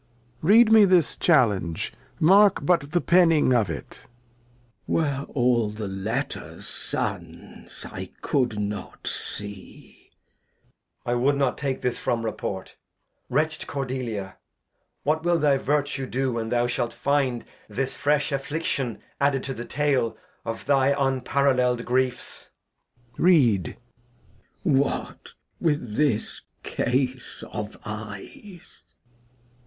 Read me this Challenge, mark but the penning of it. Glost. Were all the Letters Suns, I cou'd not see. Edg. I wou'd not take this from Report; wretched Cordelia ! What will thy Virtue do when thou shalt find This fresh Affliction added to the Tale Of thy unparallell'd Griefs. Lear. Read. Glost. What ! with this Case of Eyes